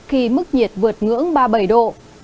khi mức nhiệt vượt ngưỡng ba mươi bảy độ